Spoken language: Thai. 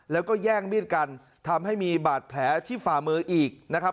แล้วก็แย่งมีดกันทำให้มีบาดแผลที่ฝ่ามืออีกนะครับ